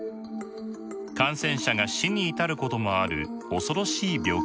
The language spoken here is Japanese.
感染者が死に至ることもある恐ろしい病気でした。